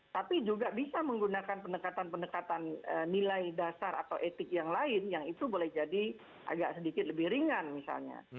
tapi juga bisa menggunakan pendekatan pendekatan nilai dasar atau etik yang lain yang itu boleh jadi agak sedikit lebih ringan misalnya